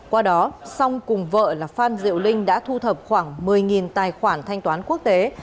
qua đó song cùng vợ là phan diệu linh đã thu thập khoảng một mươi tài khoản thanh toán quốc tế